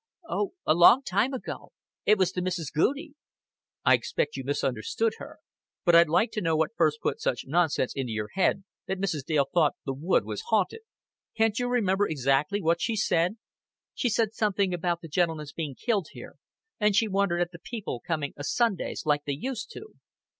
"Oh, a long time ago. It was to Mrs. Goudie." "I expect you misunderstood her. But I'd like to know what first put such nonsense into your head that Mrs. Dale thought the wood was haunted. Can't you remember exactly what she did say?" "She said something about the gentleman's being killed here, and she wondered at the people coming a Sundays like they used to."